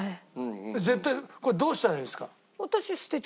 絶対これどうしたらいいんですか？